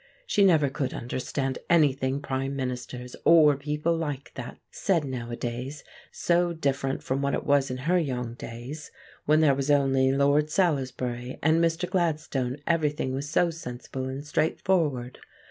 She never could understand anything Prime Ministers, or people like that, said nowadays; so different from what it was in her young days. When there was only Lord Salisbury and Mr. Gladstone everything was so sensible and straightforward.